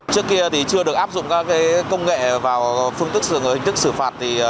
trước kia thì chưa được áp dụng các công nghệ vào hình thức xử phạt